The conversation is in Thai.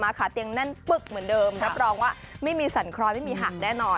ขาเตียงแน่นปึ๊กเหมือนเดิมรับรองว่าไม่มีสันครอยไม่มีหักแน่นอน